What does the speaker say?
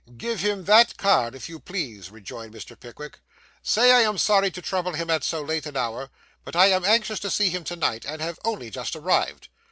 'Give him that card if you please,' rejoined Mr. Pickwick. 'Say I am sorry to trouble him at so late an hour; but I am anxious to see him to night, and have only just arrived.